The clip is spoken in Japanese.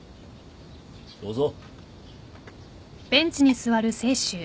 どうぞ。